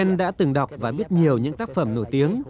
ông đã từng đọc và biết nhiều những tác phẩm nổi tiếng